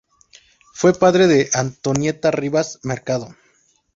Fue padre de Antonieta Rivas Mercado.